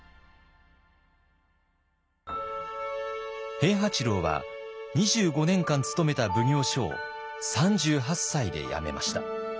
平八郎は２５年間勤めた奉行所を３８歳で辞めました。